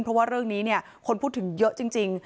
เพราะว่าเรื่องนี้คนพูดถึงเยอะจริง